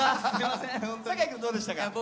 酒井君、どうでしたか？